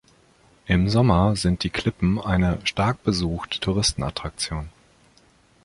Im Sommer sind die Klippen eine stark besuchte Touristenattraktion.